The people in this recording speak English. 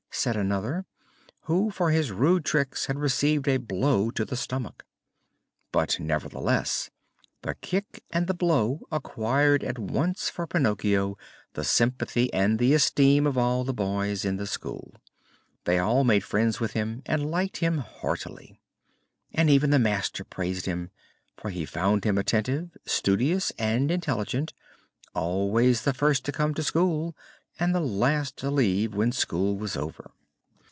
said another, who for his rude tricks had received a blow in the stomach. But, nevertheless, the kick and the blow acquired at once for Pinocchio the sympathy and the esteem of all the boys in the school. They all made friends with him and liked him heartily. And even the master praised him, for he found him attentive, studious and intelligent always the first to come to school, and the last to leave when school was over.